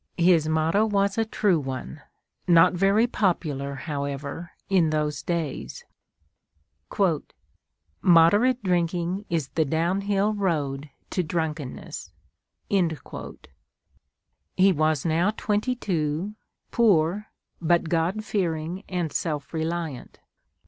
His motto was a true one, not very popular, however, in those days, "Moderate drinking is the down hill road to drunkenness." He was now twenty two, poor, but God fearing and self reliant.